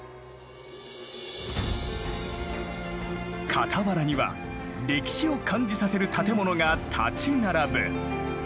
傍らには歴史を感じさせる建物が立ち並ぶ。